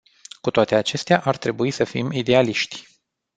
Cu toate acestea, ar trebui să fim idealiști.